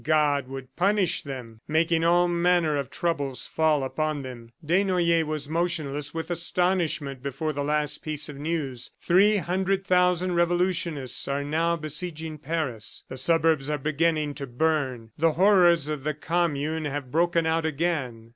God would punish them, making all manner of troubles fall upon them. Desnoyers was motionless with astonishment before the last piece of news "Three hundred thousand revolutionists are now besieging Paris. The suburbs are beginning to burn. The horrors of the Commune have broken out again."